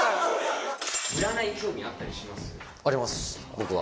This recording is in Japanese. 僕は。